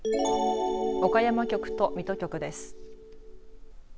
岡山局と水戸局です。